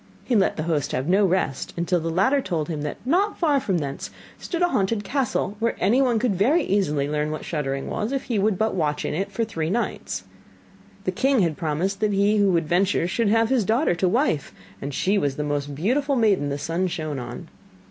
He let the host have no rest, until the latter told him, that not far from thence stood a haunted castle where anyone could very easily learn what shuddering was, if he would but watch in it for three nights. The king had promised that he who would venture should have his daughter to wife, and she was the most beautiful maiden the sun shone on.